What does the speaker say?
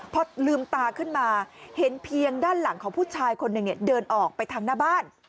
พอลืมตาขึ้นมาเห็นเพียงด้านหลังของผู้ชายคนหนึ่งเดินออกไปทางหน้าบ้าน